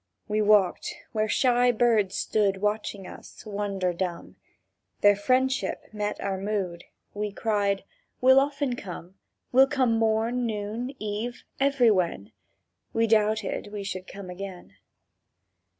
We walked where shy birds stood Watching us, wonder dumb; Their friendship met our mood; We cried: "We'll often come: We'll come morn, noon, eve, everywhen!" —We doubted we should come again.